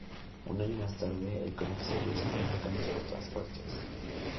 Un año más tarde, el cómic seguía sufriendo cambios por todas partes.